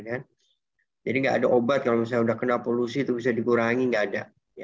jadi nggak ada obat kalau misalnya sudah kena polusi itu bisa dikurangi nggak ada